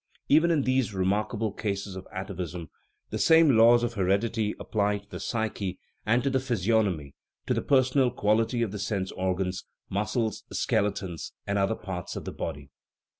Even in these re markable cases of atavism the same laws of heredity apply to the psyche and to the physiognomy, to the per sonal quality of the sense organs, muscles, skeleton, 142 THE EMBRYOLOGY OF THE SOUL and other parts of the body.